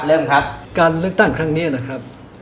ครับการเลือกตั้งครั้งนี้นะครับ